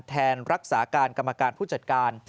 แทนรักษาการกรรมการผู้จัดการ